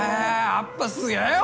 やっぱすげぇよ